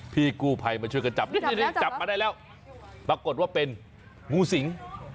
พี่กู้ภัยมาช่วยกันจับนี่จับมาได้แล้วปรากฏว่าเป็นงูสิง